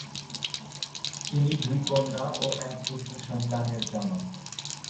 তিনি দুই কন্যা ও এক পুত্র সন্তানের জনক।